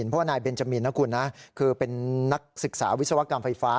เพราะว่านายเบนจามินนะคุณนะคือเป็นนักศึกษาวิศวกรรมไฟฟ้า